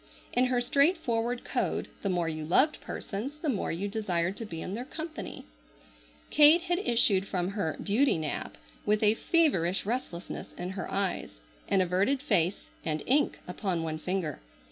In her straightforward code the more you loved persons the more you desired to be in their company. Kate had issued from her "beauty nap" with a feverish restlessness in her eyes, an averted face, and ink upon one finger.